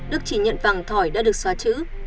đức chỉ nhận vàng thỏi đã được xóa chữ